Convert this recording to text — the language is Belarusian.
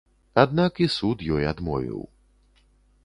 Аднак і суд ёй адмовіў.